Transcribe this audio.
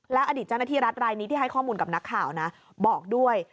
อดีตเจ้าหน้าที่รัฐรายนี้ที่ให้ข้อมูลกับนักข่าวนะบอกด้วย